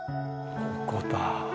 ここだ。